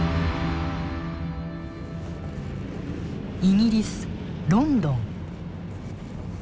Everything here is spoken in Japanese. イギリス・ロンドン。